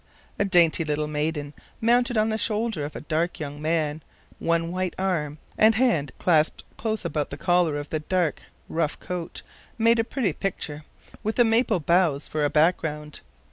The dainty little maiden, mounted on the shoulder of the dark young man, one white arm and hand clasped close about the collar of the dark, rough coat, made a pretty picture, with the maple boughs for a background.